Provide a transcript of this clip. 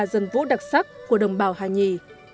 dân vũ đặc sắc của đồng bào hà nghì